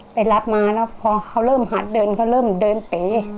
ไปรับมาแล้วพอเขาเริ่มหัดเดินเขาเริ่มเดินเป๋